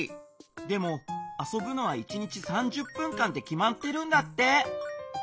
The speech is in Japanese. でもあそぶのは１日３０分間ってきまってるんだって。